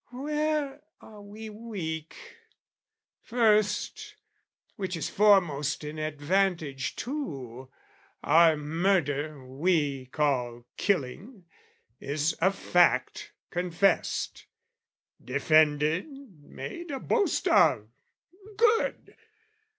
Where are we weak? First, which is foremost in advantage too, Our murder, we call, killing, is a fact Confessed, defended, made a boast of: good!